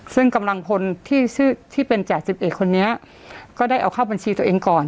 ซึ่งกำลังพลที่เป็นจ่าสิบเอกคนนี้ก็ได้เอาเข้าบัญชีตัวเองก่อน